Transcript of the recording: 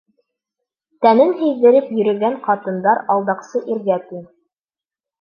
Тәнен һиҙҙереп йөрөгән ҡатындар алдаҡсы иргә тиң!